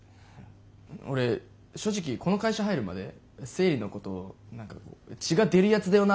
俺正直この会社入るまで生理のこと何か血が出るやつだよな